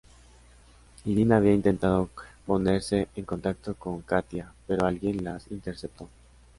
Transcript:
Irina había intentado ponerse en contacto con Katya, pero alguien las interceptó.